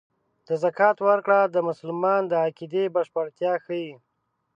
د زکات ورکړه د مسلمان د عقیدې بشپړتیا ښيي.